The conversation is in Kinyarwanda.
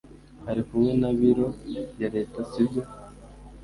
Ari kumwe na biro ya leta, sibyo?